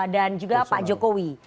dan juga pak jokowi